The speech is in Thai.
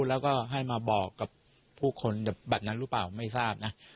แล้วก็ให้มาบอกกับผู้คนแบบนั้นหรือเปล่าไม่ทราบนะ